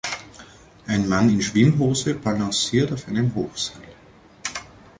Ein Mann in Schwimmhose balanciert auf einem Hochseil.